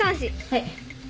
はい。